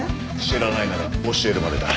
知らないなら教えるまでだ。